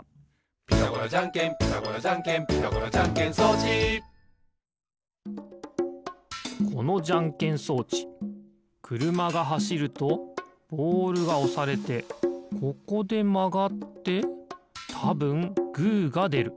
「ピタゴラじゃんけんピタゴラじゃんけん」「ピタゴラじゃんけん装置」このじゃんけん装置くるまがはしるとボールがおされてここでまがってたぶんグーがでる。